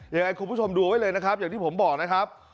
ยังไงคุณผู้ชมดูไว้เลยนะครับอย่างที่ผมบอกนะครับ